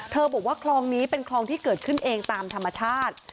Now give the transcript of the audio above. บอกว่าคลองนี้เป็นคลองที่เกิดขึ้นเองตามธรรมชาติ